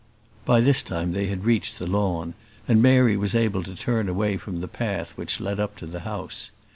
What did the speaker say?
By this time they had reached the lawn, and Mary was able to turn away from the path which led up to the house.